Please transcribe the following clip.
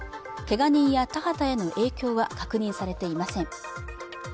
けが人や田畑への影響は確認されていません